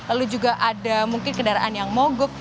ada mungkin kendaraan yang mogok